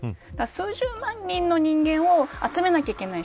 数十万人の人間を集めなきゃいけない。